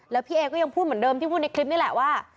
แล้วพี่เอก็ยังพูดเหมือนเดิมที่พูดในคลิปนี่แหละว่า